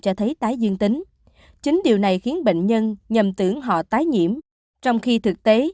cho thấy tái dương tính chính điều này khiến bệnh nhân nhầm tưởng họ tái nhiễm trong khi thực tế